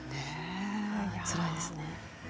つらいですね。